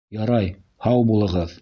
Ярай, һау булығыҙ...